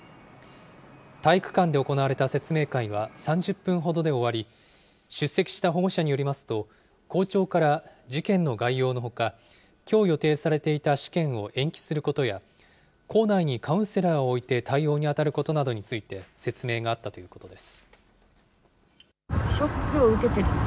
体育館で行われた説明会は３０分ほどで終わり、出席した保護者によりますと、校長から事件の概要のほか、きょう予定されていた試験を延期することや、校内にカウンセラーを置いて対応に当たることなどについて、説明があったということです。